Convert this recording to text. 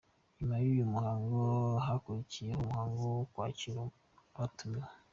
Nyuma y’uyu muhango hakurikiriyeho umuhango wo kwakira abatumiwe.